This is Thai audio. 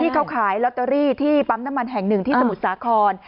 เขาขายลอตเตอรี่ที่ปั๊มน้ำมันแห่งหนึ่งที่สมุทรสาคร